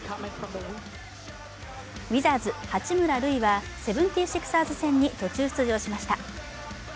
ウィザーズ・八村塁は、セブンティシクサーズ戦に途中出場しました。